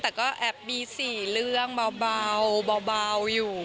แต่ก็แอบมี๔เรื่องเบาอยู่